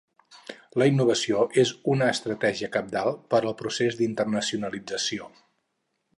La innovació és una estratègia cabdal per al procés d'internacionalització.